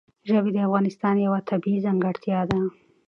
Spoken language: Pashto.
ژبې د افغانستان یوه طبیعي ځانګړتیا ده.